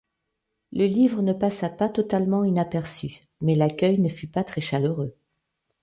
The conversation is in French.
Le livre ne passa pas totalement inaperçu, mais l'accueil ne fut pas très chaleureux.